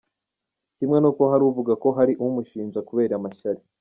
Kimwe n’uko hari uvuga ko hari umushinja kubera amashyari.